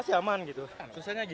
susah nggak susah nggak